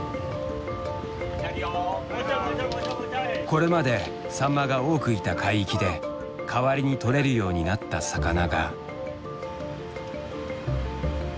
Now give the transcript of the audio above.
これまでサンマが多くいた海域で代わりに取れるようになった魚が。